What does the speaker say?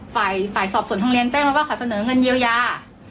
ฝ่ายฝ่ายสอบส่วนโรงเรียนแจ้งมาว่าเขาเสนอเงินเยียวยา